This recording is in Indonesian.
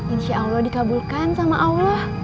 insyaallah dikabulkan sama allah